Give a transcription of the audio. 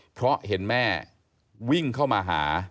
เพราะเห็นแม่วิ่งเข้ามาหา